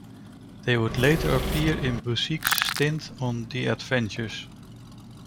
They would later appear in Busiek's stint on the "Avengers".